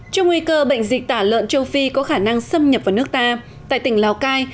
trong nguy cơ bệnh dịch tả lợn châu phi có khả năng xâm nhập vào nước ta tại tỉnh lào cai